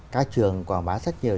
các trường quảng bá rất nhiều